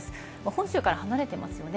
本州から離れてますよね。